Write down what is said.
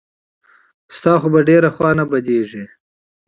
ستا خو به ډېره خوا نه بدېږي.